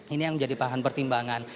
ini yang menjadi bahan pertimbangan